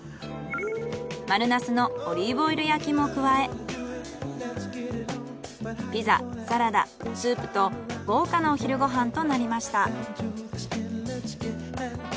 丸ナスのオリーブオイル焼きも加えピザサラダスープと豪華なお昼ご飯となりました。